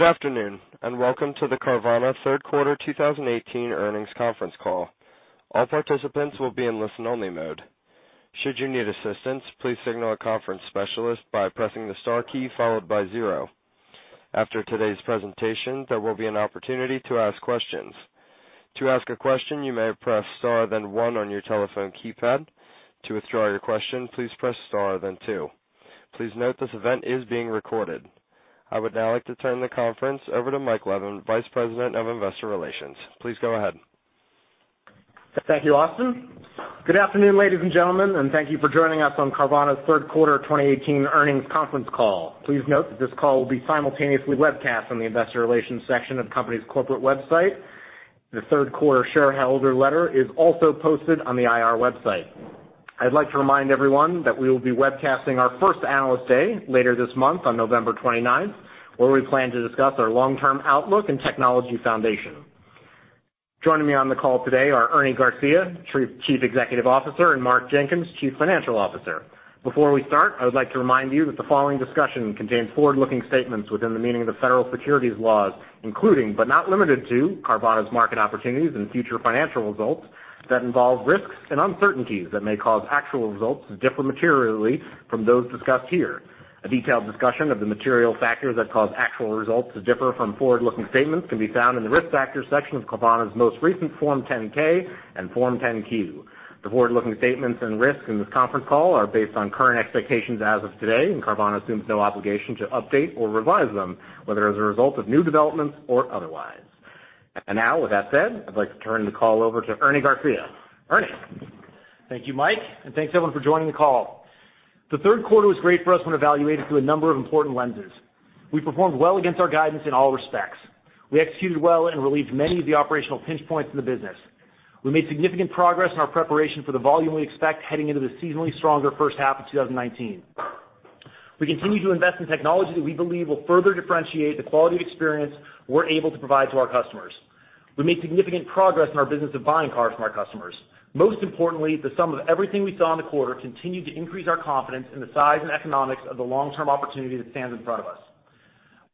Good afternoon, and welcome to the Carvana third quarter 2018 earnings conference call. All participants will be in listen only mode. Should you need assistance, please signal a conference specialist by pressing the star key followed by 0. After today's presentation, there will be an opportunity to ask questions. To ask a question, you may press star then 1 on your telephone keypad. To withdraw your question, please press star then 2. Please note this event is being recorded. I would now like to turn the conference over to Mike Levin, Vice President of Investor Relations. Please go ahead. Thank you, Austin. Good afternoon, ladies and gentlemen, and thank you for joining us on Carvana's third quarter 2018 earnings conference call. Please note that this call will be simultaneously webcast on the investor relations section of the company's corporate website. The third quarter shareholder letter is also posted on the IR website. I'd like to remind everyone that we will be webcasting our first Analyst Day later this month on November 29th, where we plan to discuss our long-term outlook and technology foundation. Joining me on the call today are Ernie Garcia, Chief Executive Officer, and Mark Jenkins, Chief Financial Officer. Before we start, I would like to remind you that the following discussion contains forward-looking statements within the meaning of the federal securities laws, including but not limited to Carvana's market opportunities and future financial results that involve risks and uncertainties that may cause actual results to differ materially from those discussed here. A detailed discussion of the material factors that cause actual results to differ from forward-looking statements can be found in the Risk Factors section of Carvana's most recent Form 10-K and Form 10-Q. The forward-looking statements and risks in this conference call are based on current expectations as of today, Carvana assumes no obligation to update or revise them, whether as a result of new developments or otherwise. Now, with that said, I'd like to turn the call over to Ernie Garcia. Ernie? Thank you, Mike, and thanks, everyone, for joining the call. The third quarter was great for us when evaluated through a number of important lenses. We performed well against our guidance in all respects. We executed well and relieved many of the operational pinch points in the business. We made significant progress in our preparation for the volume we expect heading into the seasonally stronger first half of 2019. We continue to invest in technology that we believe will further differentiate the quality of experience we're able to provide to our customers. We made significant progress in our business of buying cars from our customers. Most importantly, the sum of everything we saw in the quarter continued to increase our confidence in the size and economics of the long-term opportunity that stands in front of us.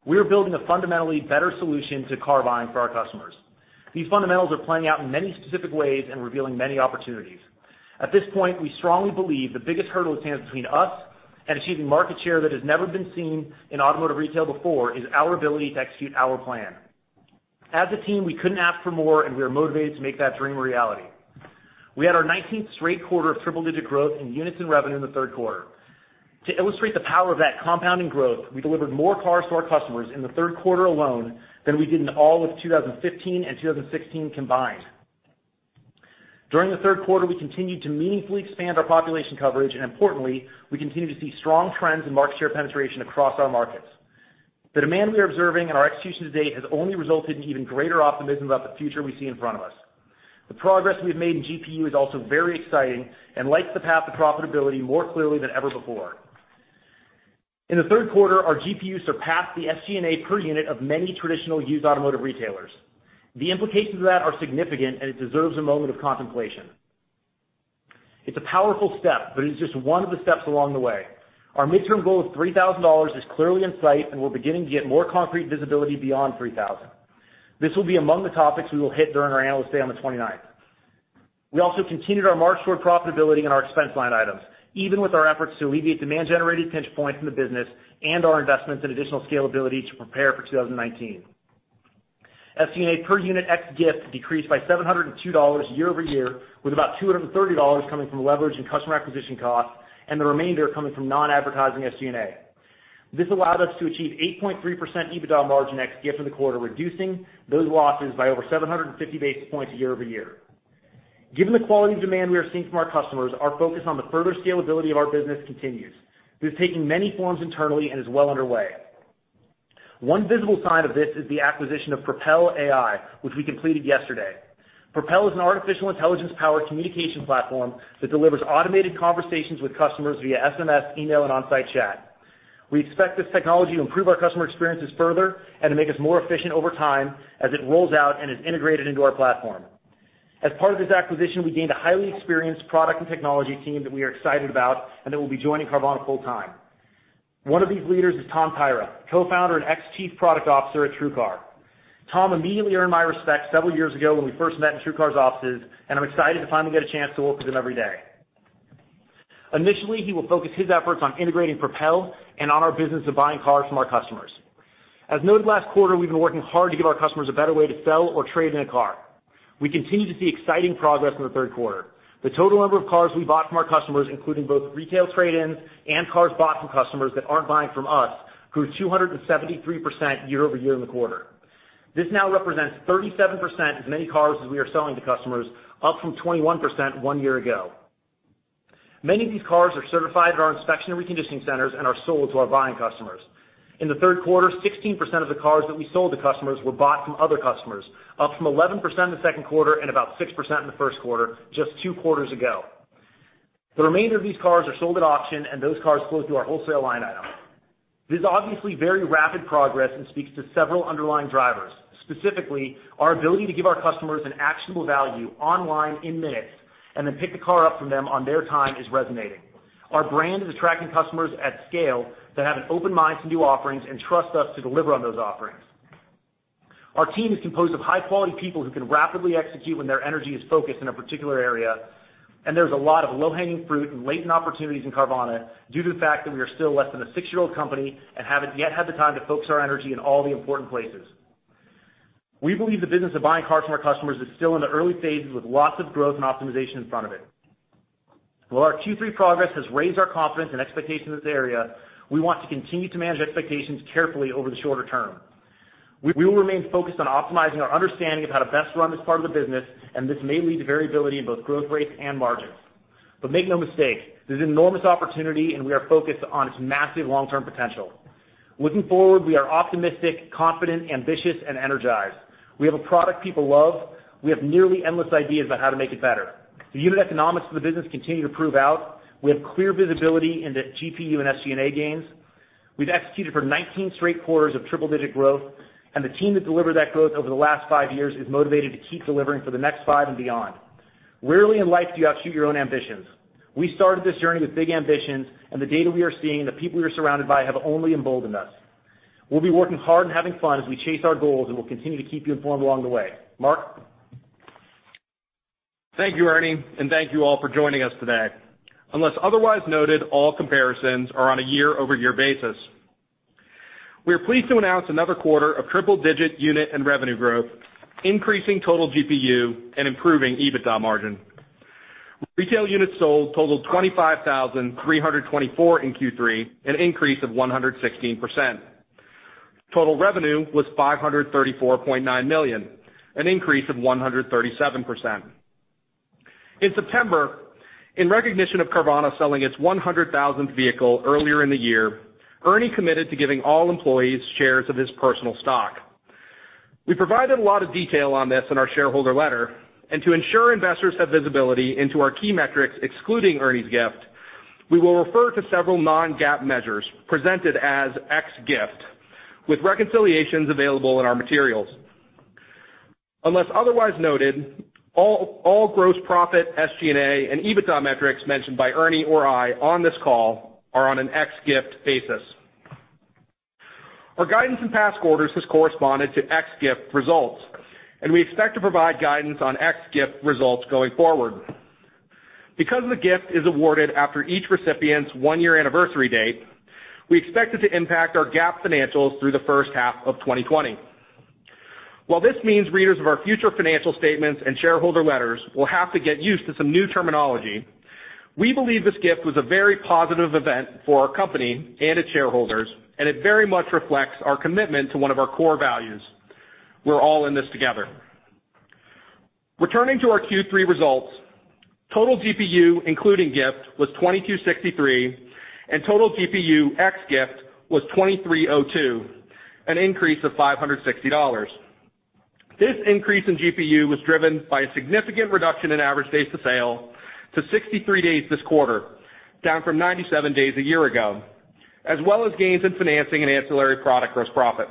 We are building a fundamentally better solution to car buying for our customers. These fundamentals are playing out in many specific ways and revealing many opportunities. At this point, we strongly believe the biggest hurdle that stands between us and achieving market share that has never been seen in automotive retail before is our ability to execute our plan. As a team, we couldn't ask for more, and we are motivated to make that dream a reality. We had our 19th straight quarter of triple-digit growth in units and revenue in the third quarter. To illustrate the power of that compounding growth, we delivered more cars to our customers in the third quarter alone than we did in all of 2015 and 2016 combined. During the third quarter, we continued to meaningfully expand our population coverage, and importantly, we continue to see strong trends in market share penetration across our markets. The demand we are observing and our execution to date has only resulted in even greater optimism about the future we see in front of us. The progress we've made in GPU is also very exciting and lights the path to profitability more clearly than ever before. In the third quarter, our GPU surpassed the SG&A per unit of many traditional used automotive retailers. The implications of that are significant, and it deserves a moment of contemplation. It's a powerful step, but it is just one of the steps along the way. Our midterm goal of $3,000 is clearly in sight, and we're beginning to get more concrete visibility beyond 3,000. This will be among the topics we will hit during our Analyst Day on the 29th. We also continued our march toward profitability in our expense line items, even with our efforts to alleviate demand-generated pinch points in the business and our investments in additional scalability to prepare for 2019. SG&A per unit ex-gift decreased by $702 year-over-year, with about $230 coming from leverage and customer acquisition costs and the remainder coming from non-advertising SG&A. This allowed us to achieve 8.3% EBITDA margin ex-gift in the quarter, reducing those losses by over 750 basis points year-over-year. Given the quality of demand we are seeing from our customers, our focus on the further scalability of our business continues. This is taking many forms internally and is well underway. One visible sign of this is the acquisition of Propel AI, which we completed yesterday. Propel is an artificial intelligence-powered communication platform that delivers automated conversations with customers via SMS, email, and on-site chat. We expect this technology to improve our customer experiences further and to make us more efficient over time as it rolls out and is integrated into our platform. As part of this acquisition, we gained a highly experienced product and technology team that we are excited about and that will be joining Carvana full time. One of these leaders is Tom Taira, co-founder and ex Chief Product Officer at TrueCar. Tom immediately earned my respect several years ago when we first met in TrueCar's offices, and I'm excited to finally get a chance to work with him every day. Initially, he will focus his efforts on integrating Propel and on our business of buying cars from our customers. As noted last quarter, we've been working hard to give our customers a better way to sell or trade in a car. We continue to see exciting progress in the third quarter. The total number of cars we bought from our customers, including both retail trade-ins and cars bought from customers that are not buying from us, grew 273% year-over-year in the quarter. This now represents 37% as many cars as we are selling to customers, up from 21% one year ago. Many of these cars are certified at our inspection and reconditioning centers and are sold to our buying customers. In the third quarter, 16% of the cars that we sold to customers were bought from other customers, up from 11% in the second quarter and about 6% in the first quarter, just two quarters ago. The remainder of these cars are sold at auction, and those cars flow through our wholesale line item. This is obviously very rapid progress and speaks to several underlying drivers. Specifically, our ability to give our customers an actionable value online in minutes and then pick the car up from them on their time is resonating. Our brand is attracting customers at scale that have an open mind to new offerings and trust us to deliver on those offerings. Our team is composed of high-quality people who can rapidly execute when their energy is focused in a particular area, and there is a lot of low-hanging fruit and latent opportunities in Carvana due to the fact that we are still less than a six-year-old company and have not yet had the time to focus our energy in all the important places. We believe the business of buying cars from our customers is still in the early stages with lots of growth and optimization in front of it. While our Q3 progress has raised our confidence and expectation in this area, we want to continue to manage expectations carefully over the shorter term. We will remain focused on optimizing our understanding of how to best run this part of the business, and this may lead to variability in both growth rates and margins. But make no mistake, there is enormous opportunity, and we are focused on its massive long-term potential. Looking forward, we are optimistic, confident, ambitious, and energized. We have a product people love. We have nearly endless ideas about how to make it better. The unit economics of the business continue to prove out. We have clear visibility into GPU and SG&A gains. We have executed for 19 straight quarters of triple-digit growth, and the team that delivered that growth over the last five years is motivated to keep delivering for the next five and beyond. Rarely in life do you outshoot your own ambitions. We started this journey with big ambitions, and the data we are seeing, the people we are surrounded by have only emboldened us. We will be working hard and having fun as we chase our goals, and we will continue to keep you informed along the way. Mark? Thank you, Ernie, and thank you all for joining us today. Unless otherwise noted, all comparisons are on a year-over-year basis. We are pleased to announce another quarter of triple-digit unit and revenue growth, increasing total GPU and improving EBITDA margin. Retail units sold totaled 25,324 in Q3, an increase of 116%. Total revenue was $534.9 million, an increase of 137%. In September, in recognition of Carvana selling its 100,000th vehicle earlier in the year, Ernie committed to giving all employees shares of his personal stock. We provided a lot of detail on this in our shareholder letter. To ensure investors have visibility into our key metrics excluding Ernie's gift, we will refer to several non-GAAP measures presented as ex-gift, with reconciliations available in our materials. Unless otherwise noted, all gross profit, SG&A, and EBITDA metrics mentioned by Ernie or I on this call are on an ex-gift basis. Our guidance in past quarters has corresponded to ex-gift results. We expect to provide guidance on ex-gift results going forward. Because the gift is awarded after each recipient's one-year anniversary date, we expect it to impact our GAAP financials through the first half of 2020. While this means readers of our future financial statements and shareholder letters will have to get used to some new terminology, we believe this gift was a very positive event for our company and its shareholders. It very much reflects our commitment to one of our core values. We're all in this together. Returning to our Q3 results, total GPU including gift was 2263, and total GPU ex-gift was 2302, an increase of $560. This increase in GPU was driven by a significant reduction in average days to sale to 63 days this quarter, down from 97 days a year ago, as well as gains in financing and ancillary product gross profit.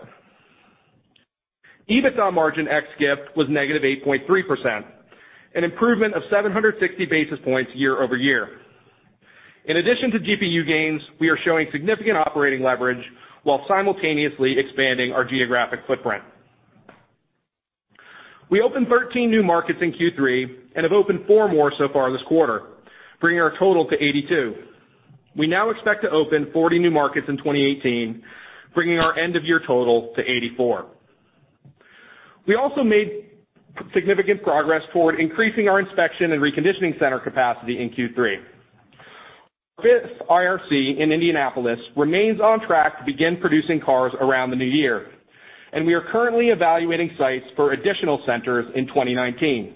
EBITDA margin ex-gift was -8.3%, an improvement of 760 basis points year-over-year. In addition to GPU gains, we are showing significant operating leverage while simultaneously expanding our geographic footprint. We opened 13 new markets in Q3 and have opened four more so far this quarter, bringing our total to 82. We now expect to open 40 new markets in 2018, bringing our end-of-year total to 84. We also made significant progress toward increasing our inspection and reconditioning center capacity in Q3. Our fifth IRC in Indianapolis remains on track to begin producing cars around the new year. We are currently evaluating sites for additional centers in 2019.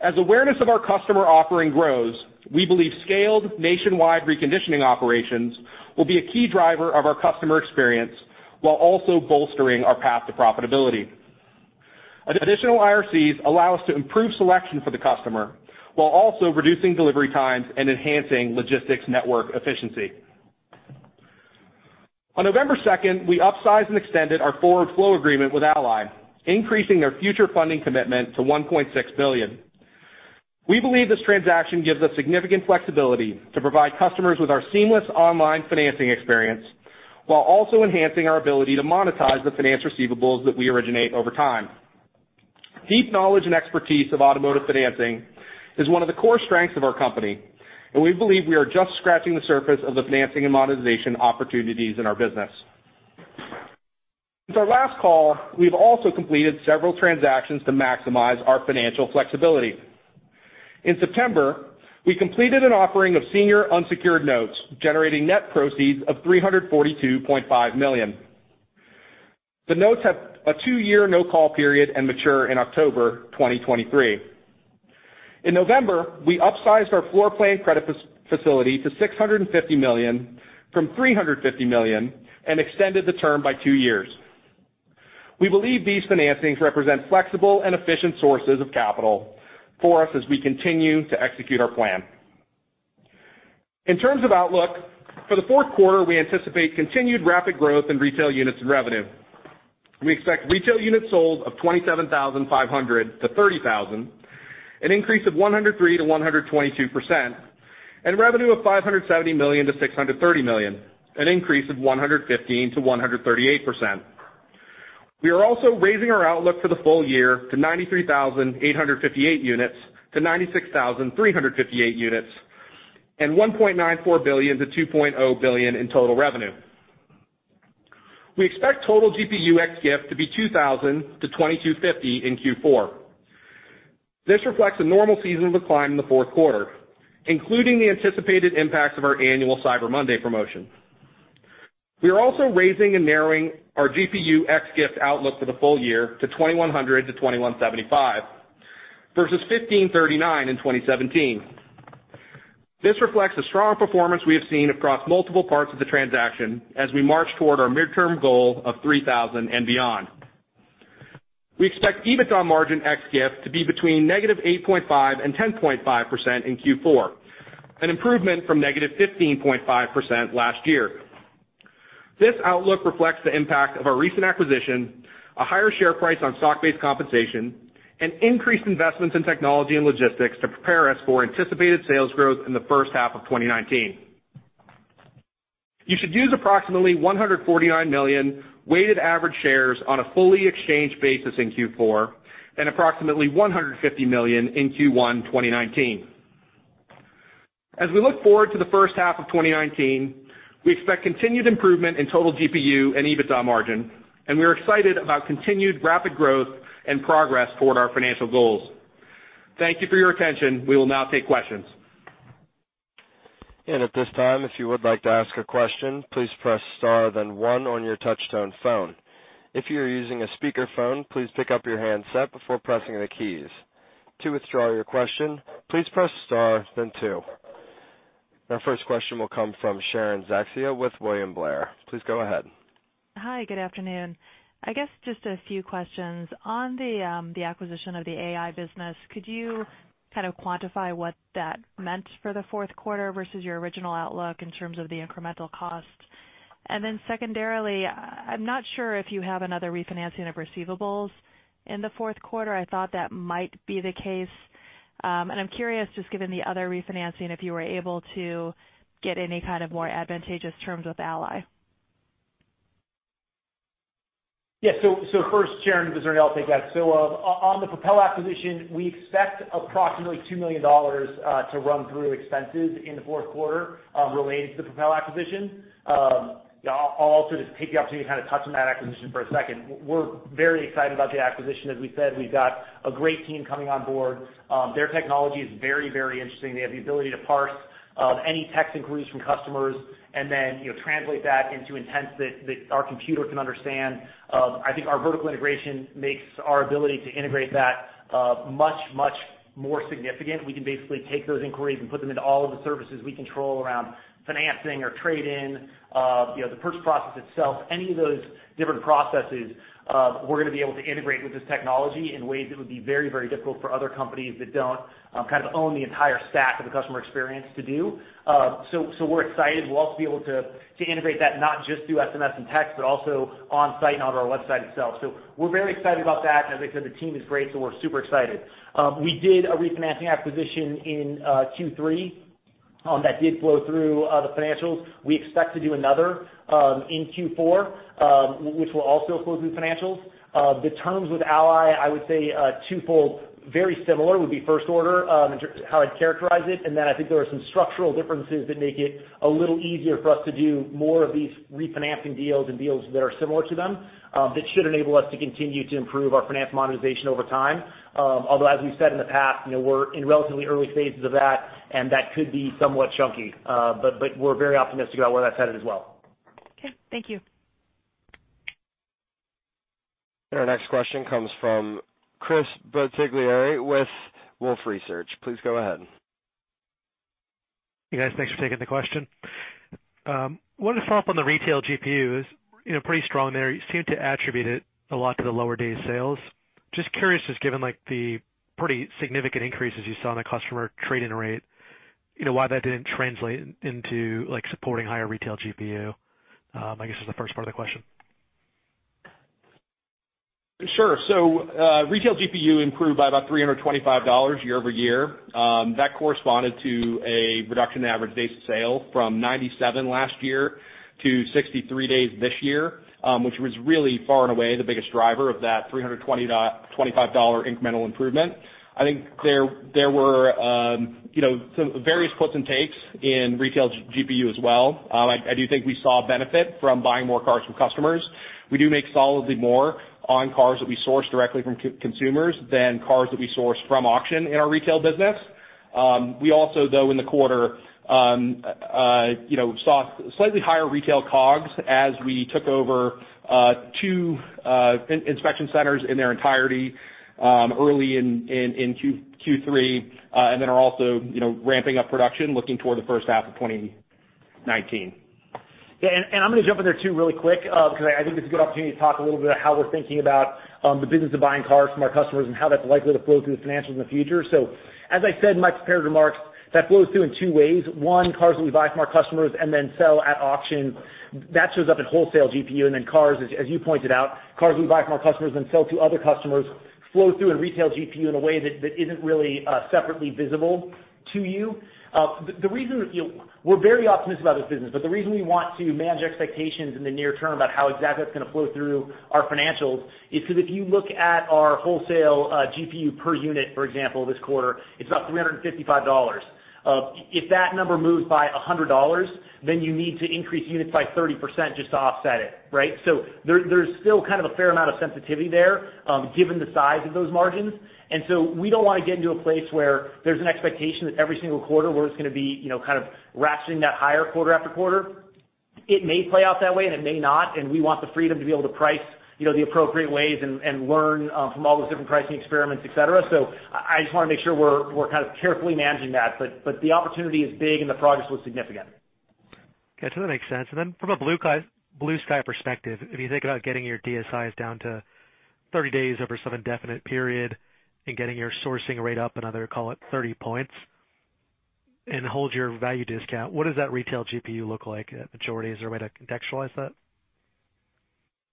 As awareness of our customer offering grows, we believe scaled nationwide reconditioning operations will be a key driver of our customer experience while also bolstering our path to profitability. Additional IRCs allow us to improve selection for the customer while also reducing delivery times and enhancing logistics network efficiency. On November 2nd, we upsized and extended our forward flow agreement with Ally, increasing their future funding commitment to $1.6 billion. We believe this transaction gives us significant flexibility to provide customers with our seamless online financing experience while also enhancing our ability to monetize the finance receivables that we originate over time. Deep knowledge and expertise of automotive financing is one of the core strengths of our company. We believe we are just scratching the surface of the financing and monetization opportunities in our business. Since our last call, we've also completed several transactions to maximize our financial flexibility. In September, we completed an offering of senior unsecured notes, generating net proceeds of $342.5 million. The notes have a two-year no-call period and mature in October 2023. In November, we upsized our floor plan credit facility to $650 million from $350 million and extended the term by two years. We believe these financings represent flexible and efficient sources of capital for us as we continue to execute our plan. In terms of outlook, for the fourth quarter, we anticipate continued rapid growth in retail units and revenue. We expect retail units sold of 27,500-30,000, an increase of 103%-122%, and revenue of $570 million-$630 million, an increase of 115%-138%. We are also raising our outlook for the full year to 93,858-96,358 units and $1.94 billion-$2.0 billion in total revenue. We expect total GPU ex gift to be 2,000-2,250 in Q4. This reflects a normal seasonal decline in the fourth quarter, including the anticipated impacts of our annual Cyber Monday promotion. We are also raising and narrowing our GPU ex gift outlook for the full year to 2,100-2,175 versus 1,539 in 2017. This reflects the strong performance we have seen across multiple parts of the transaction as we march toward our midterm goal of 3,000 and beyond. We expect EBITDA margin ex gift to be between negative 8.5% and 10.5% in Q4, an improvement from negative 15.5% last year. This outlook reflects the impact of our recent acquisition, a higher share price on stock-based compensation, and increased investments in technology and logistics to prepare us for anticipated sales growth in the first half of 2019. You should use approximately 149 million weighted average shares on a fully exchanged basis in Q4 and approximately 150 million in Q1 2019. As we look forward to the first half of 2019, we expect continued improvement in total GPU and EBITDA margin, and we are excited about continued rapid growth and progress toward our financial goals. Thank you for your attention. We will now take questions. At this time, if you would like to ask a question, please press star then one on your touchtone phone. If you are using a speakerphone, please pick up your handset before pressing the keys. To withdraw your question, please press star then two. Our first question will come from Sharon Zackfia with William Blair. Please go ahead. Hi, good afternoon. I guess just a few questions. On the acquisition of the AI business, could you quantify what that meant for the fourth quarter versus your original outlook in terms of the incremental cost? Secondarily, I'm not sure if you have another refinancing of receivables in the fourth quarter. I thought that might be the case. I'm curious, just given the other refinancing, if you were able to get any more advantageous terms with Ally. Yes. First, Sharon, this is Ernie, I'll take that. On the Propel acquisition, we expect approximately $2 million to run through expenses in the fourth quarter relating to the Propel acquisition. I'll also just take the opportunity to touch on that acquisition for a second. We're very excited about the acquisition. As we said, we've got a great team coming on board. Their technology is very interesting. They have the ability to parse any text inquiries from customers and then translate that into intents that our computer can understand. I think our vertical integration makes our ability to integrate that much more significant. We can basically take those inquiries and put them into all of the services we control around financing or trade-in, the purchase process itself. Any of those different processes, we're going to be able to integrate with this technology in ways that would be very difficult for other companies that don't own the entire stack of the customer experience to do. We're excited. We'll also be able to integrate that not just through SMS and text, but also on site and on our website itself. We're very excited about that. As I said, the team is great, we're super excited. We did a refinancing acquisition in Q3 that did flow through the financials. We expect to do another in Q4 which will also flow through financials. The terms with Ally, I would say twofold, very similar would be first order in terms of how I'd characterize it, I think there are some structural differences that make it a little easier for us to do more of these refinancing deals and deals that are similar to them that should enable us to continue to improve our finance monetization over time. Although as we've said in the past, we're in relatively early stages of that could be somewhat chunky. We're very optimistic about where that's headed as well. Okay. Thank you. Our next question comes from Chris Bottiglieri with Wolfe Research. Please go ahead. Hey, guys, thanks for taking the question. Wanted to follow up on the retail GPUs. Pretty strong there. You seem to attribute it a lot to the lower days sales. Just curious, just given the pretty significant increases you saw in the customer trade-in rate, why that didn't translate into supporting higher retail GPU, I guess is the first part of the question. Sure. Retail GPU improved by about $325 year-over-year. That corresponded to a reduction in average days to sale from 97 last year to 63 days this year, which was really far and away the biggest driver of that $325 incremental improvement. I think there were some various puts and takes in retail GPU as well. I do think we saw a benefit from buying more cars from customers. We do make solidly more on cars that we source directly from consumers than cars that we source from auction in our retail business. We also, though, in the quarter saw slightly higher retail COGS as we took over two inspection centers in their entirety early in Q3 and then are also ramping up production looking toward the first half of 2019. I'm going to jump in there too really quick, because I think it's a good opportunity to talk a little bit about how we're thinking about the business of buying cars from our customers and how that's likely to flow through the financials in the future. As I said in my prepared remarks, that flows through in two ways. One, cars that we buy from our customers and then sell at auction. That shows up in wholesale GPU, and then cars, as you pointed out, cars we buy from our customers then sell to other customers flow through in retail GPU in a way that isn't really separately visible to you. We're very optimistic about this business, the reason we want to manage expectations in the near term about how exactly that's going to flow through our financials is because if you look at our wholesale GPU per unit, for example, this quarter, it's up $355. If that number moves by $100, you need to increase units by 30% just to offset it, right? There's still kind of a fair amount of sensitivity there, given the size of those margins. We don't want to get into a place where there's an expectation that every single quarter we're just going to be kind of ratcheting that higher quarter after quarter. It may play out that way, and it may not, and we want the freedom to be able to price the appropriate ways and learn from all those different pricing experiments, et cetera. I just want to make sure we're kind of carefully managing that. The opportunity is big, and the progress looks significant. That makes sense. Then from a blue sky perspective, if you think about getting your DSIs down to 30 days over some indefinite period and getting your sourcing rate up another, call it 30 points, and hold your value discount, what does that retail GPU look like at maturity? Is there a way to contextualize that?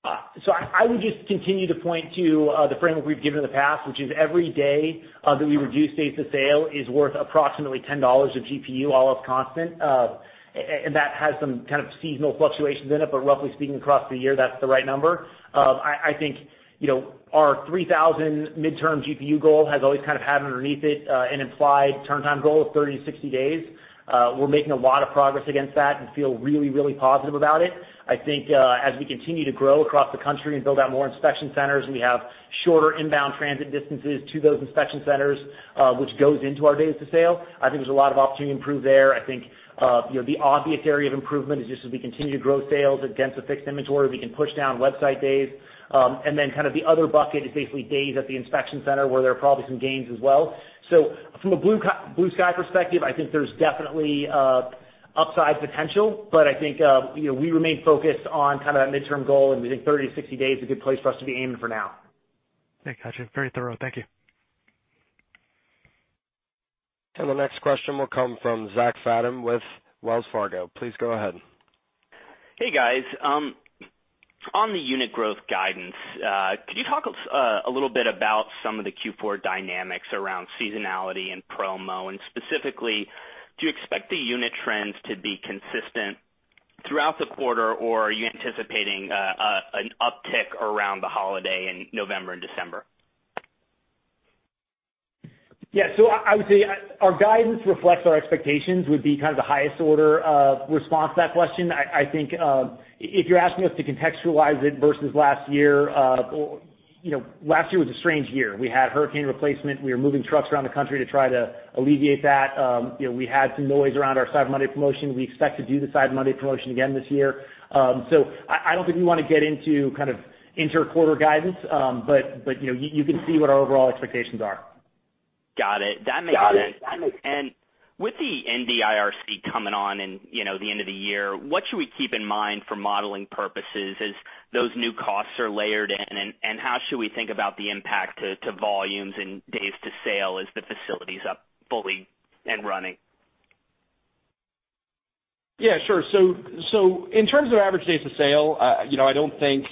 I would just continue to point to the framework we've given in the past, which is every day that we reduce days to sale is worth approximately $10 of GPU, all else constant. That has some kind of seasonal fluctuations in it, but roughly speaking, across the year, that's the right number. I think our $3,000 midterm GPU goal has always kind of had underneath it an implied turn time goal of 30 to 60 days. We're making a lot of progress against that and feel really, really positive about it. I think as we continue to grow across the country and build out more inspection centers, and we have shorter inbound transit distances to those inspection centers which goes into our days to sale, I think there's a lot of opportunity to improve there. I think the obvious area of improvement is just as we continue to grow sales against a fixed inventory, we can push down website days. Then kind of the other bucket is basically days at the inspection center where there are probably some gains as well. From a blue sky perspective, I think there's definitely upside potential, but I think we remain focused on that midterm goal, and we think 30 to 60 days is a good place for us to be aiming for now. Okay, gotcha. Very thorough. Thank you. The next question will come from Zachary Fadem with Wells Fargo. Please go ahead. Hey, guys. On the unit growth guidance, could you talk a little bit about some of the Q4 dynamics around seasonality and promo? Specifically, do you expect the unit trends to be consistent throughout the quarter, or are you anticipating an uptick around the holiday in November and December? Yeah. I would say our guidance reflects our expectations would be kind of the highest order of response to that question. I think if you're asking us to contextualize it versus last year, last year was a strange year. We had hurricane replacement. We were moving trucks around the country to try to alleviate that. We had some noise around our Cyber Monday promotion. We expect to do the Cyber Monday promotion again this year. I don't think we want to get into inter quarter guidance, but you can see what our overall expectations are. Got it. That makes sense. With the Indy IRC coming on in the end of the year, what should we keep in mind for modeling purposes as those new costs are layered in, and how should we think about the impact to volumes and days to sale as the facility's up fully and running? Yeah, sure. In terms of average days to sale, I don't think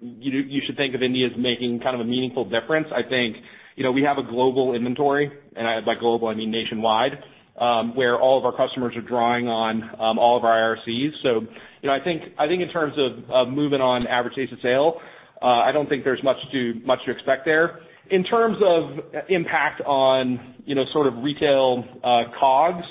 you should think of Indy as making kind of a meaningful difference. I think we have a global inventory, and by global, I mean nationwide, where all of our customers are drawing on all of our IRCs. I think in terms of movement on average days to sale, I don't think there's much to expect there. In terms of impact on sort of retail COGS,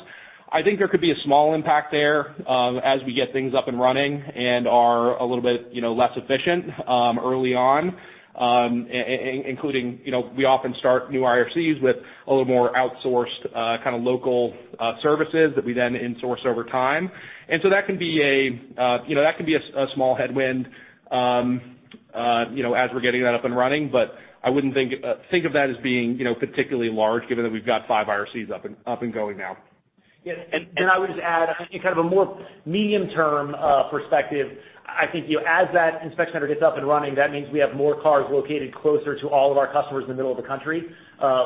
I think there could be a small impact there as we get things up and running and are a little bit less efficient early on, including we often start new IRCs with a little more outsourced kind of local services that we then in-source over time. That can be a small headwind as we're getting that up and running. I wouldn't think of that as being particularly large, given that we've got five IRCs up and going now. Yeah, I would just add, I think in kind of a more medium-term perspective, I think as that inspection center gets up and running, that means we have more cars located closer to all of our customers in the middle of the country,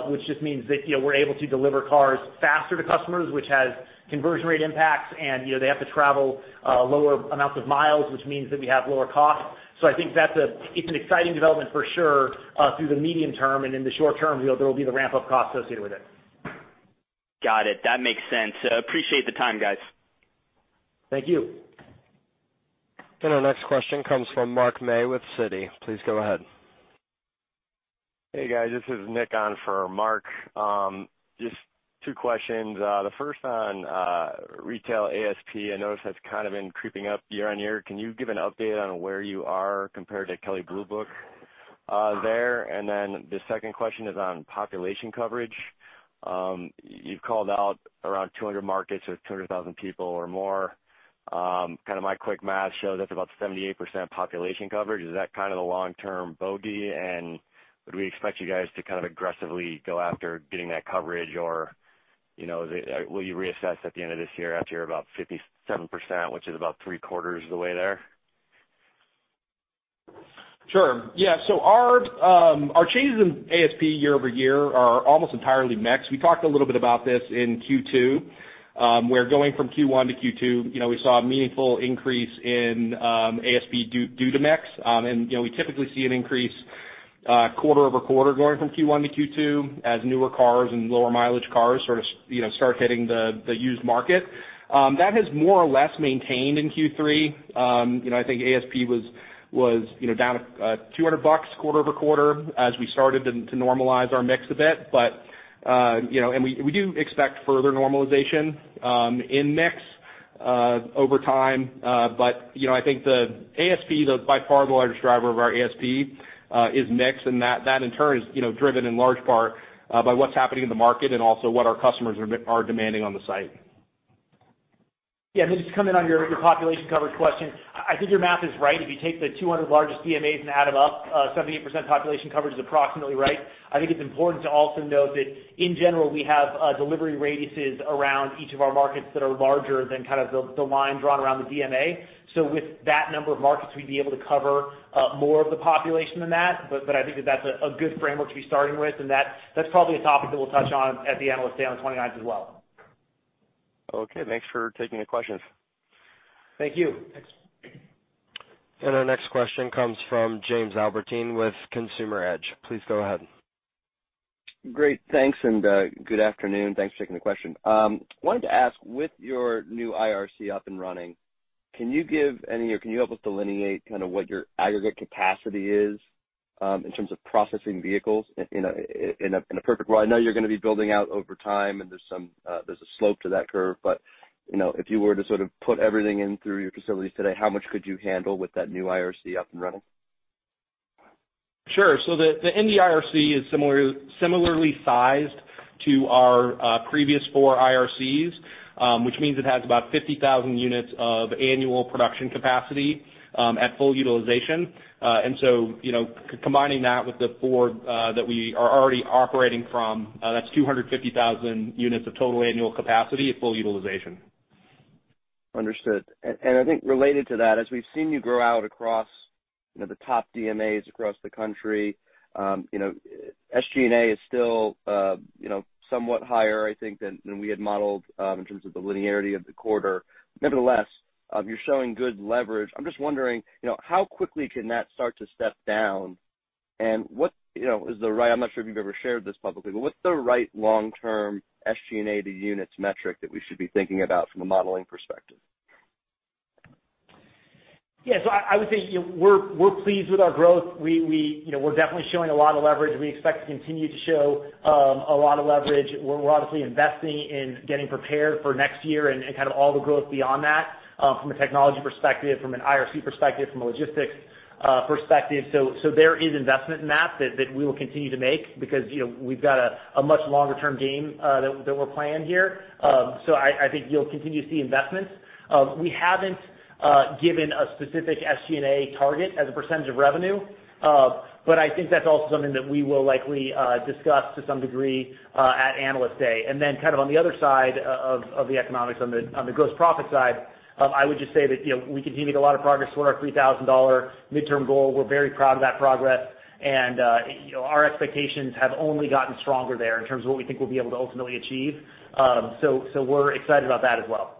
which just means that we're able to deliver cars faster to customers, which has conversion rate impacts, and they have to travel lower amounts of miles, which means that we have lower costs. I think it's an exciting development for sure through the medium term, and in the short term, there'll be the ramp-up cost associated with it. Got it. That makes sense. Appreciate the time, guys. Thank you. Our next question comes from Mark May with Citi. Please go ahead. Hey, guys. This is Nick on for Mark. Just two questions. The first on retail ASP. I noticed that's kind of been creeping up year-on-year. Can you give an update on where you are compared to Kelley Blue Book there? The second question is on population coverage. You've called out around 200 markets with 200,000 people or more. My quick math shows that's about 78% population coverage. Is that kind of the long-term bogey? Would we expect you guys to kind of aggressively go after getting that coverage, or will you reassess at the end of this year after you're about 57%, which is about three-quarters of the way there? Sure. Yeah. Our changes in ASP year-over-year are almost entirely mixed. We talked a little bit about this in Q2, where going from Q1 to Q2, we saw a meaningful increase in ASP due to mix. We typically see an increase quarter-over-quarter going from Q1 to Q2 as newer cars and lower mileage cars start hitting the used market. That has more or less maintained in Q3. I think ASP was down $200 quarter-over-quarter as we started to normalize our mix a bit. We do expect further normalization in mix over time. I think the ASP, by far the largest driver of our ASP, is mix, and that in turn is driven in large part by what's happening in the market and also what our customers are demanding on the site. Yeah. Just to come in on your population coverage question, I think your math is right. If you take the 200 largest DMAs and add them up, 78% population coverage is approximately right. I think it's important to also note that in general, we have delivery radiuses around each of our markets that are larger than the line drawn around the DMA. With that number of markets, we'd be able to cover more of the population than that. I think that that's a good framework to be starting with, and that's probably a topic that we'll touch on at the Analyst Day on the 29th as well. Okay, thanks for taking the questions. Thank you. Thanks. Our next question comes from Jamie Albertine with Consumer Edge. Please go ahead. Great. Thanks, and good afternoon. Thanks for taking the question. Wanted to ask, with your new IRC up and running, can you help us delineate what your aggregate capacity is in terms of processing vehicles in a perfect world? I know you're going to be building out over time, and there's a slope to that curve. If you were to put everything in through your facilities today, how much could you handle with that new IRC up and running? Sure. The Indy IRC is similarly sized to our previous 4 IRCs, which means it has about 50,000 units of annual production capacity at full utilization. Combining that with the 4 that we are already operating from, that's 250,000 units of total annual capacity at full utilization. Understood. I think related to that, as we've seen you grow out across the top DMAs across the country, SG&A is still somewhat higher, I think, than we had modeled in terms of the linearity of the quarter. Nevertheless, you're showing good leverage. I'm just wondering how quickly can that start to step down, and what is the right, I'm not sure if you've ever shared this publicly, but what's the right long-term SG&A to units metric that we should be thinking about from a modeling perspective? Yeah. I would say we're pleased with our growth. We're definitely showing a lot of leverage. We expect to continue to show a lot of leverage. We're obviously investing in getting prepared for next year and all the growth beyond that from a technology perspective, from an IRC perspective, from a logistics perspective. There is investment in that we will continue to make because we've got a much longer-term game that we're playing here. I think you'll continue to see investments. We haven't given a specific SG&A target as a percentage of revenue, but I think that's also something that we will likely discuss to some degree at Analyst Day. On the other side of the economics on the gross profit side, I would just say that we continue to make a lot of progress toward our $3,000 midterm goal. We're very proud of that progress, and our expectations have only gotten stronger there in terms of what we think we'll be able to ultimately achieve. We're excited about that as well.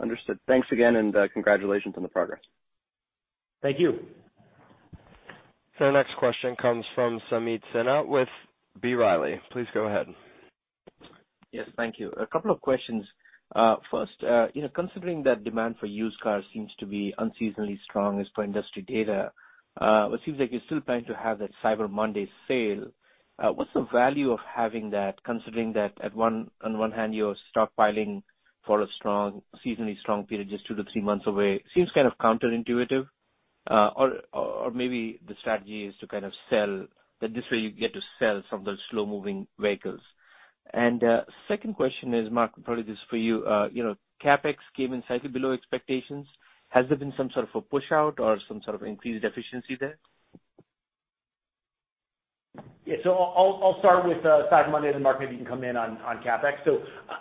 Understood. Thanks again, congratulations on the progress. Thank you. Our next question comes from Sameet Sinha with B. Riley. Please go ahead. Yes. Thank you. A couple of questions. First, considering that demand for used cars seems to be unseasonally strong as per industry data, it seems like you're still planning to have that Cyber Monday sale. What's the value of having that, considering that on one hand, you're stockpiling for a seasonally strong period just 2 to 3 months away? Seems kind of counterintuitive. Maybe the strategy is this way you get to sell some of those slow-moving vehicles. Second question is, Mark, probably this is for you. CapEx came in slightly below expectations. Has there been some sort of a push out or some sort of increased efficiency there? Yeah. I'll start with Cyber Monday. Mark, maybe you can come in on CapEx.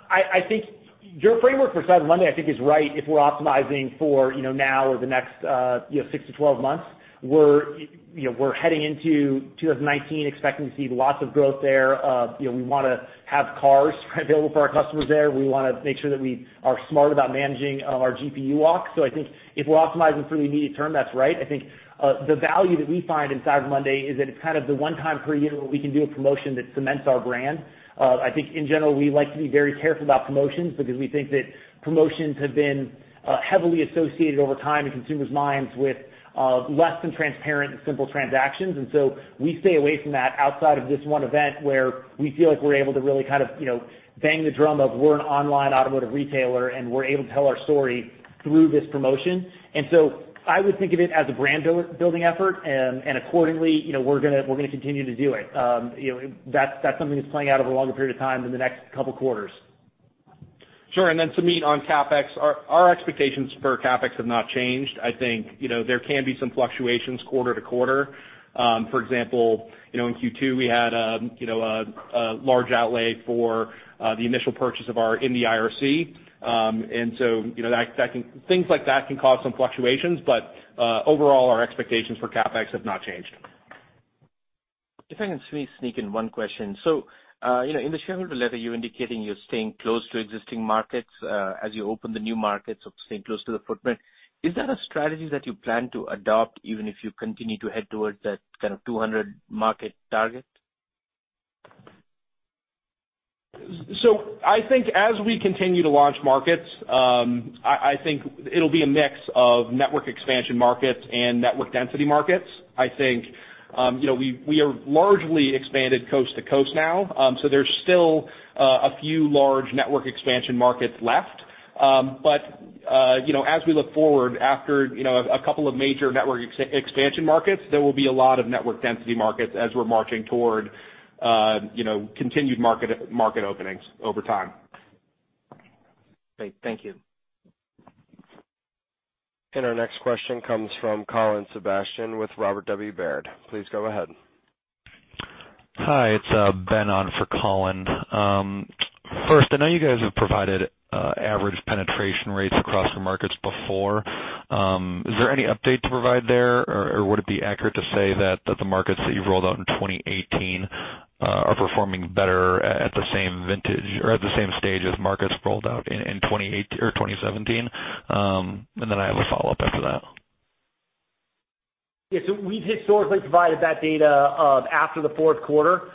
I think your framework for Cyber Monday I think is right if we're optimizing for now or the next six to 12 months. We're heading into 2019 expecting to see lots of growth there. We want to have cars available for our customers there. We want to make sure that we are smart about managing our GPU walk. I think if we're optimizing for the immediate term, that's right. I think the value that we find in Cyber Monday is that it's the one time per year where we can do a promotion that cements our brand. I think in general, we like to be very careful about promotions because we think that promotions have been heavily associated over time in consumers' minds with less than transparent and simple transactions. We stay away from that outside of this one event where we feel like we're able to really bang the drum of we're an online automotive retailer, and we're able to tell our story through this promotion. I would think of it as a brand-building effort, and accordingly, we're going to continue to do it. That's something that's playing out over a longer period of time than the next couple of quarters. Sure. Sameet, on CapEx, our expectations for CapEx have not changed. I think there can be some fluctuations quarter to quarter. For example, in Q2, we had a large outlay for the initial purchase of our Indy IRC. Things like that can cause some fluctuations. Overall, our expectations for CapEx have not changed. If I can sneak in one question. In the shareholder letter, you're indicating you're staying close to existing markets as you open the new markets, so staying close to the footprint. Is that a strategy that you plan to adopt even if you continue to head towards that 200 market target? I think as we continue to launch markets, I think it'll be a mix of network expansion markets and network density markets. We are largely expanded coast to coast now. There's still a few large network expansion markets left. As we look forward after a couple of major network expansion markets, there will be a lot of network density markets as we're marching toward continued market openings over time. Great. Thank you. Our next question comes from Colin Sebastian with Robert W. Baird. Please go ahead. Hi, it's Ben on for Colin. First, I know you guys have provided average penetration rates across your markets before. Is there any update to provide there? Would it be accurate to say that the markets that you've rolled out in 2018 are performing better at the same vintage or at the same stage as markets rolled out in 2017? Then I have a follow-up after that. We've historically provided that data after the fourth quarter,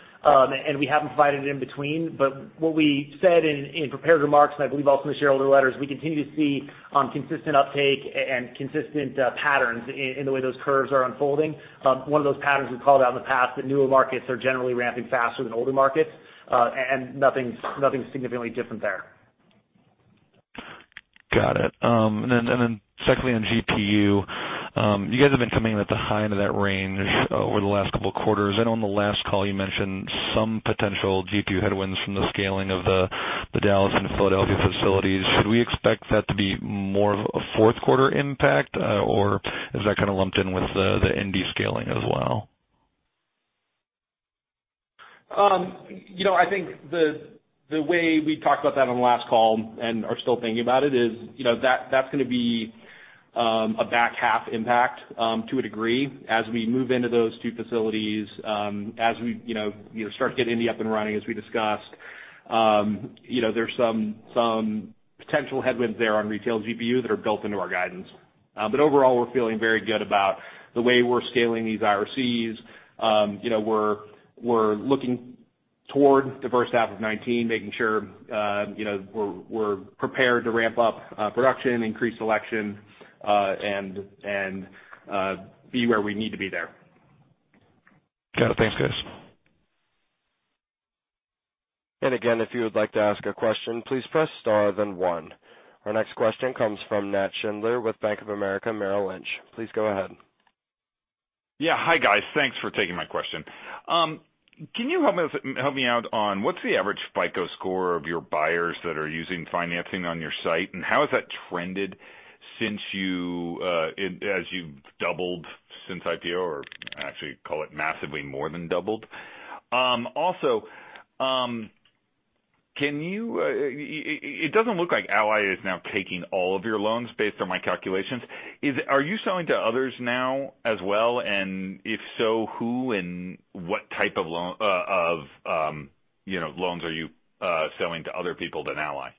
we haven't provided it in between. What we said in prepared remarks, I believe also in the shareholder letters, we continue to see consistent uptake and consistent patterns in the way those curves are unfolding. One of those patterns we've called out in the past, that newer markets are generally ramping faster than older markets, nothing significantly different there. Got it. Secondly, on GPU. You guys have been coming in at the high end of that range over the last two quarters. I know on the last call you mentioned some potential GPU headwinds from the scaling of the Dallas and Philadelphia facilities. Should we expect that to be more of a fourth quarter impact? Is that kind of lumped in with the Indy scaling as well? I think the way we talked about that on the last call are still thinking about it is, that's going to be a back half impact to a degree as we move into those two facilities, as we start getting the up and running as we discussed. There's some potential headwinds there on retail GPU that are built into our guidance. Overall, we're feeling very good about the way we're scaling these IRCs. We're looking toward the first half of 2019, making sure we're prepared to ramp up production, increase selection, be where we need to be there. Got it. Thanks, guys. If you would like to ask a question, please press star, then one. Our next question comes from Nat Schindler with Bank of America Merrill Lynch. Please go ahead. Yeah. Hi, guys. Thanks for taking my question. Can you help me out on what's the average FICO score of your buyers that are using financing on your site, and how has that trended as you've doubled since IPO or actually call it massively more than doubled? Also, it doesn't look like Ally is now taking all of your loans based on my calculations. Are you selling to others now as well? If so, who and what type of loans are you selling to other people than Ally? Yeah.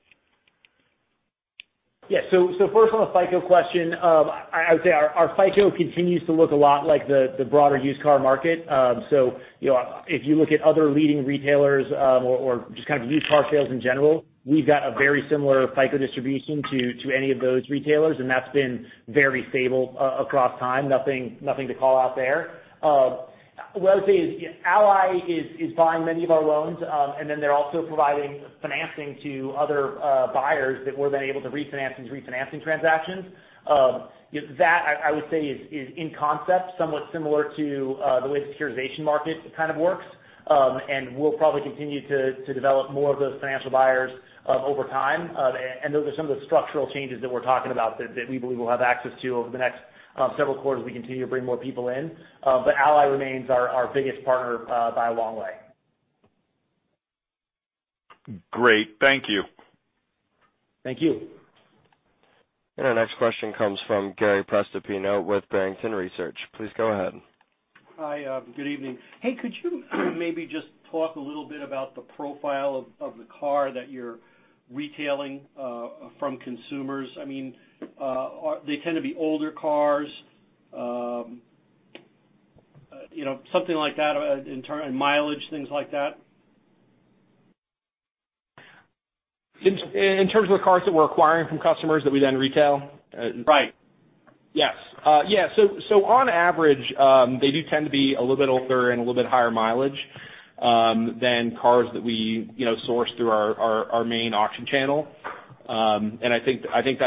First, on the FICO question, I would say our FICO continues to look a lot like the broader used car market. If you look at other leading retailers or just used car sales in general, we've got a very similar FICO distribution to any of those retailers, and that's been very stable across time. Nothing to call out there. What I would say is, Ally is buying many of our loans, and then they're also providing financing to other buyers that we're then able to refinance these refinancing transactions. That, I would say, is in concept somewhat similar to the way the securitization market kind of works. We'll probably continue to develop more of those financial buyers over time. Those are some of the structural changes that we're talking about that we believe we'll have access to over the next several quarters as we continue to bring more people in. Ally remains our biggest partner by a long way. Great. Thank you. Thank you. Our next question comes from Gary Prestopino with Barrington Research. Please go ahead. Hi, good evening. Hey, could you maybe just talk a little bit about the profile of the car that you're retailing from consumers? Do they tend to be older cars? Something like that in mileage, things like that. In terms of the cars that we're acquiring from customers that we then retail? Right. Yes. On average, they do tend to be a little bit older and a little bit higher mileage than cars that we source through our main auction channel. I think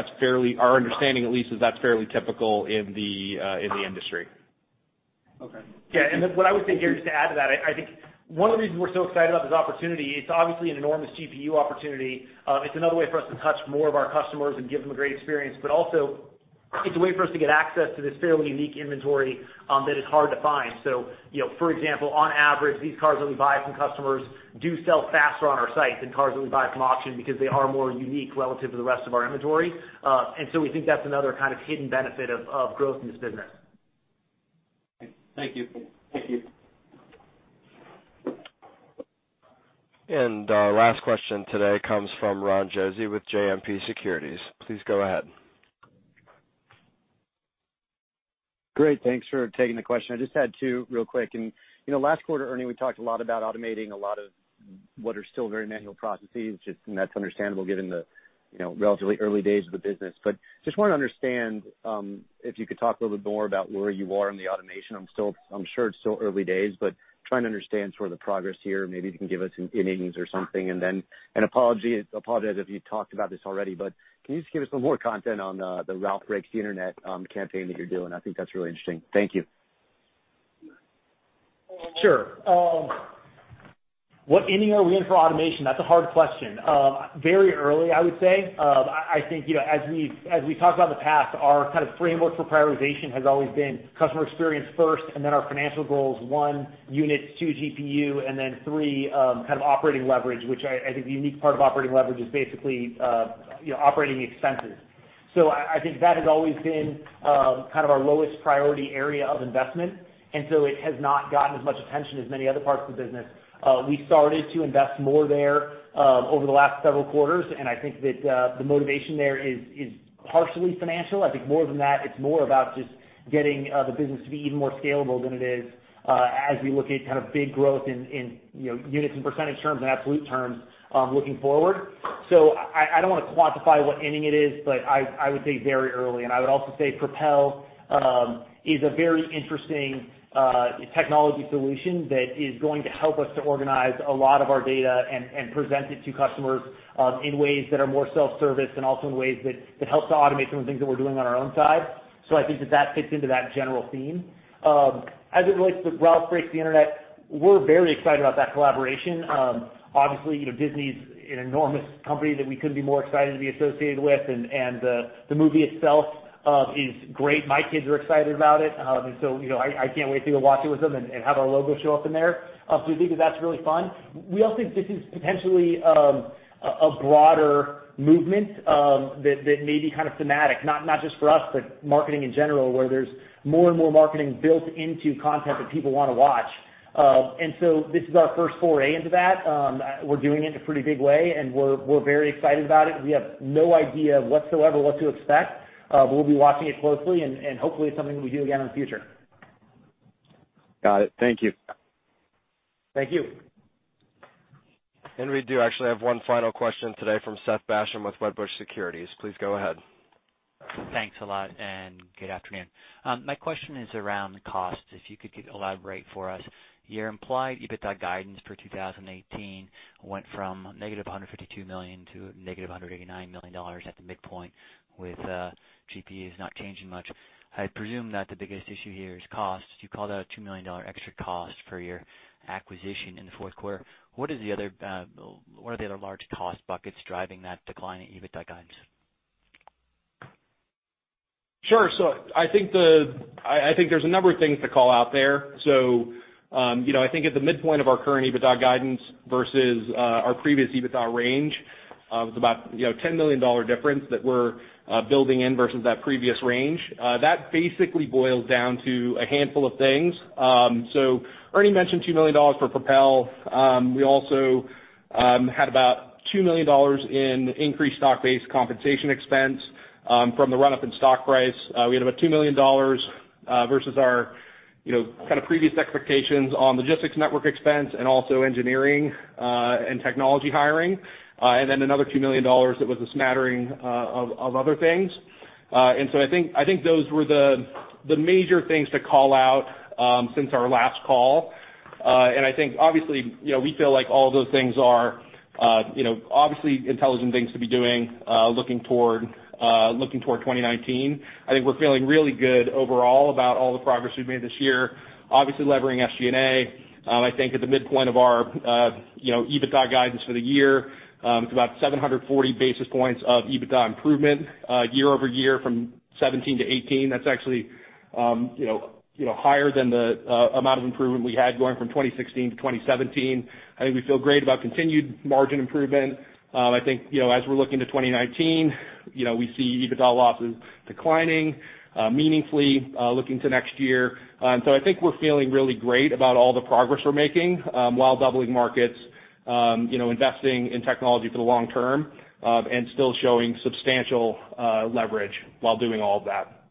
our understanding at least is that's fairly typical in the industry. Okay. Yeah. What I would say, Gary Prestopino, just to add to that, I think one of the reasons we're so excited about this opportunity, it's obviously an enormous GPU opportunity. It's another way for us to touch more of our customers and give them a great experience, but also it's a way for us to get access to this fairly unique inventory that is hard to find. For example, on average, these cars that we buy from customers do sell faster on our site than cars that we buy from auction because they are more unique relative to the rest of our inventory. We think that's another kind of hidden benefit of growth in this business. Thank you. Our last question today comes from Ron Josey with JMP Securities. Please go ahead. Great. Thanks for taking the question. I just had two real quick. Last quarter, Ernie, we talked a lot about automating a lot of what are still very manual processes, and that's understandable given the relatively early days of the business. Just want to understand if you could talk a little bit more about where you are in the automation. I'm sure it's still early days, but trying to understand sort of the progress here. Maybe if you can give us some innings or something. Apologize if you talked about this already, but can you just give us some more content on the Ralph Breaks the Internet campaign that you're doing? I think that's really interesting. Thank you. Sure. What inning are we in for automation? That's a hard question. Very early, I would say. I think, as we've talked about in the past, our kind of framework for prioritization has always been customer experience first and then our financial goals, one, units, two, GPU, and then three, kind of operating leverage, which I think the unique part of operating leverage is basically operating expenses. I think that has always been kind of our lowest priority area of investment, so it has not gotten as much attention as many other parts of the business. We started to invest more there over the last several quarters, and I think that the motivation there is partially financial. I think more than that, it's more about just getting the business to be even more scalable than it is as we look at kind of big growth in units in percentage terms and absolute terms looking forward. I don't want to quantify what inning it is, but I would say very early, and I would also say Propel is a very interesting technology solution that is going to help us to organize a lot of our data and present it to customers in ways that are more self-service and also in ways that helps to automate some of the things that we're doing on our own side. I think that fits into that general theme. As it relates to Ralph Breaks the Internet, we're very excited about that collaboration. Obviously, Disney's an enormous company that we couldn't be more excited to be associated with, and the movie itself is great. My kids are excited about it. I can't wait to go watch it with them and have our logo show up in there. We think that's really fun. We also think this is potentially a broader movement that may be kind of thematic, not just for us, but marketing in general, where there's more and more marketing built into content that people want to watch. This is our first foray into that. We're doing it in a pretty big way, and we're very excited about it. We have no idea whatsoever what to expect. We'll be watching it closely and hopefully it's something that we do again in the future. Got it. Thank you. Thank you. We do actually have one final question today from Seth Basham with Wedbush Securities. Please go ahead. Thanks a lot, and good afternoon. My question is around costs, if you could elaborate for us. Your implied EBITDA guidance for 2018 went from -$152 million to -$189 million at the midpoint with GP is not changing much. I presume that the biggest issue here is cost. You called out a $2 million extra cost for your acquisition in the fourth quarter. What are the other large cost buckets driving that decline in EBITDA guidance? Sure. I think there's a number of things to call out there. I think at the midpoint of our current EBITDA guidance versus our previous EBITDA range, it's about $10 million difference that we're building in versus that previous range. That basically boils down to a handful of things. Ernie mentioned $2 million for Propel. We also had about $2 million in increased stock-based compensation expense from the run-up in stock price. We had about $2 million versus our kind of previous expectations on logistics network expense and also engineering and technology hiring. Another $2 million that was a smattering of other things. I think those were the major things to call out since our last call. I think obviously, we feel like all of those things are obviously intelligent things to be doing looking toward 2019. I think we're feeling really good overall about all the progress we've made this year. Obviously levering SG&A. I think at the midpoint of our EBITDA guidance for the year, it's about 740 basis points of EBITDA improvement year-over-year from 2017 to 2018. That's actually higher than the amount of improvement we had going from 2016 to 2017. I think we feel great about continued margin improvement. I think, as we're looking to 2019, we see EBITDA losses declining meaningfully looking to next year. I think we're feeling really great about all the progress we're making while doubling markets, investing in technology for the long term, and still showing substantial leverage while doing all of that.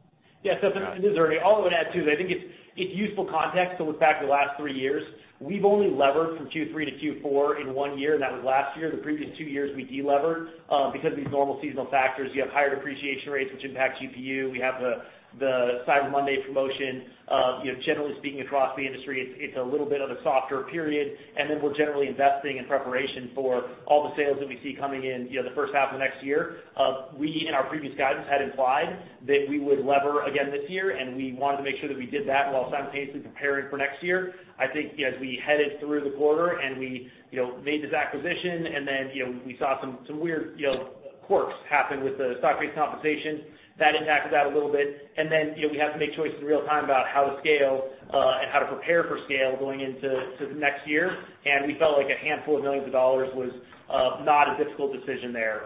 Yeah. Seth, this is Ernie. All I would add, too, is I think it's useful context to look back at the last three years. We've only levered from Q3 to Q4 in one year, and that was last year. The previous two years, we de-levered because of these normal seasonal factors. You have higher depreciation rates, which impact GPU. We have the Cyber Monday promotion. Generally speaking, across the industry, it's a little bit of a softer period, and then we're generally investing in preparation for all the sales that we see coming in the first half of next year. We, in our previous guidance, had implied that we would lever again this year, and we wanted to make sure that we did that while simultaneously preparing for next year. I think as we headed through the quarter and we made this acquisition and then we saw some weird quirks happen with the stock-based compensation, that impacted that a little bit. Then, we have to make choices in real time about how to scale and how to prepare for scale going into next year. We felt like a handful of millions of dollars was not a difficult decision there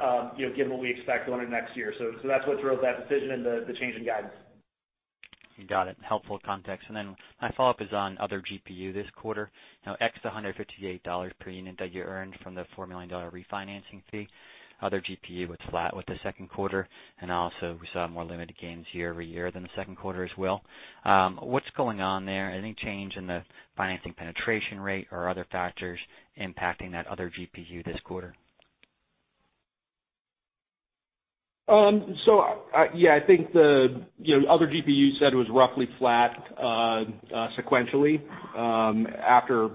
given what we expect going into next year. That's what drove that decision and the change in guidance. You got it. Helpful context. My follow-up is on other GPU this quarter. Now, ex $158 per unit that you earned from the $4 million refinancing fee, other GPU was flat with the second quarter, and also we saw more limited gains year-over-year than the second quarter as well. What's going on there? Any change in the financing penetration rate or other factors impacting that other GPU this quarter? Yeah, I think the other GPU you said was roughly flat sequentially, after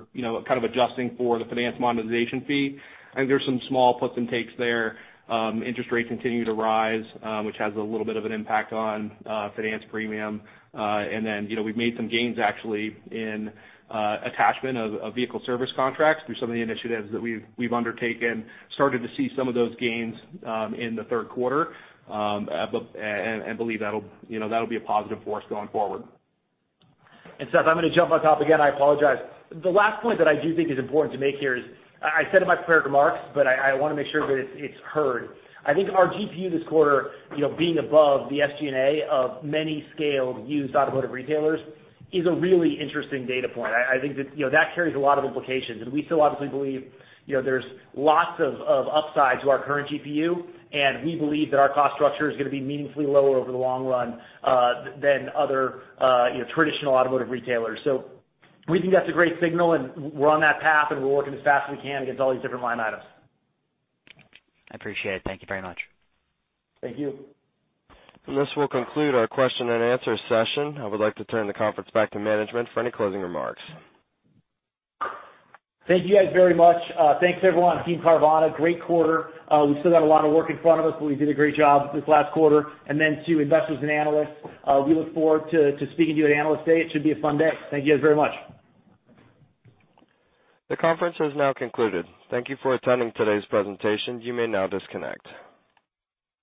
adjusting for the finance monetization fee. I think there's some small puts and takes there. Interest rates continue to rise, which has a little bit of an impact on finance premium. We've made some gains actually in attachment of vehicle service contracts through some of the initiatives that we've undertaken. Started to see some of those gains in the third quarter, and believe that'll be a positive force going forward. Seth, I'm going to jump on top again, I apologize. The last point that I do think is important to make here is, I said it in my prepared remarks, but I want to make sure that it's heard. I think our GPU this quarter, being above the SG&A of many scaled used automotive retailers is a really interesting data point. I think that carries a lot of implications, we still obviously believe there's lots of upside to our current GPU, we believe that our cost structure is going to be meaningfully lower over the long run than other traditional automotive retailers. We think that's a great signal, we're on that path, we're working as fast as we can against all these different line items. I appreciate it. Thank you very much. Thank you. This will conclude our question and answer session. I would like to turn the conference back to management for any closing remarks. Thank you guys very much. Thanks everyone on Team Carvana. Great quarter. We've still got a lot of work in front of us, but we did a great job this last quarter. To investors and analysts, we look forward to speaking to you at Analyst Day. It should be a fun day. Thank you guys very much. The conference has now concluded. Thank you for attending today's presentation. You may now disconnect.